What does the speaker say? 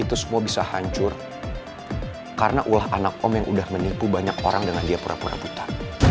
itu semua bisa hancur karena ulah anak om yang udah menipu banyak orang dengan dia pura pura putar